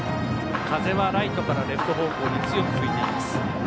風はライトからレフト方向に強く吹いています。